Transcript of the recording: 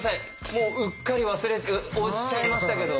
もううっかり忘れて押しちゃいましたけど。